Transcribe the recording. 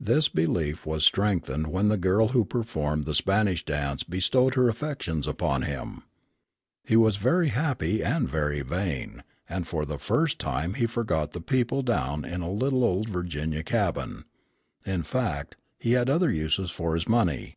This belief was strengthened when the girl who performed the Spanish dance bestowed her affections upon him. He was very happy and very vain, and for the first time he forgot the people down in a little old Virginia cabin. In fact, he had other uses for his money.